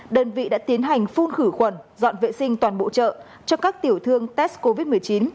đơn vị đã tiến hành phun khử khuẩn dọn vệ sinh toàn bộ chợ cho các tiểu thương test covid một mươi chín